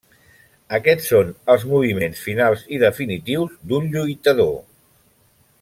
Aquests són els moviments finals i definitius d'un lluitador.